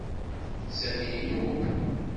Sami inu.